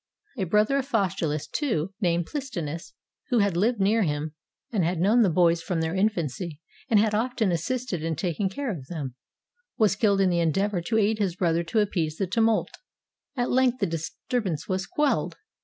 A brother of Faustulus, too, named PHstinus, who had lived near to him, and had known the boys from their infancy, and had often assisted in taking care of them, was killed in the endeavor to aid his brother to appease the tumult. At length the disturbance was quelled.